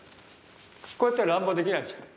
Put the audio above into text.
こうやったら乱暴にできないじゃん。